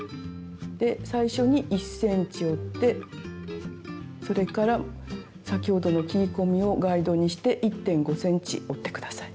で最初に１ｃｍ折ってそれから先ほどの切り込みをガイドにして１．５ｃｍ折って下さい。